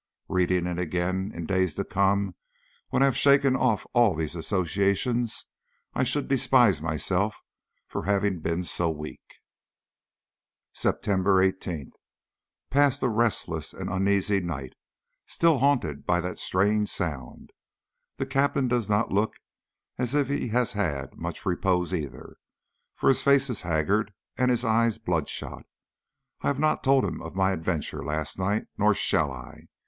Reading it again in days to come, when I have shaken off all these associations, I should despise myself for having been so weak. September 18th. Passed a restless and uneasy night, still haunted by that strange sound. The Captain does not look as if he had had much repose either, for his face is haggard and his eyes bloodshot. I have not told him of my adventure of last night, nor shall I.